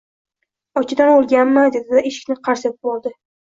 Ochidan o‘lganmi”, dedi-da eshikni qars etib yopib oldi